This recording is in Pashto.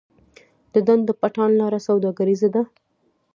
د ډنډ پټان لاره سوداګریزه ده